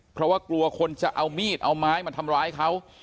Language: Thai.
เพราะว่ากลัวคนจะเอามีดเอาไม้มาทำร้ายเขา